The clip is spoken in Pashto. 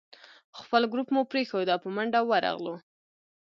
خپل ګروپ مو پرېښود او په منډه ورغلو.